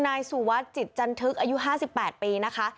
นายสุวัสดิจิตจันทึกอายุ๕๘ปีนะคะ